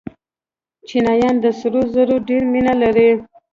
چینایان د سرو زرو ډېره مینه لري.